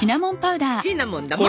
シナモンだもん！